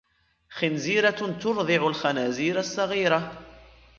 خنزيرة تـرضع الخنازير الصغيرة.